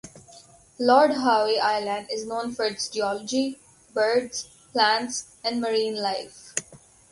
Lord Howe Island is known for its geology, birds, plants, and marine life.